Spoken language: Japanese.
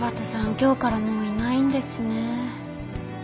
今日からもういないんですねえ。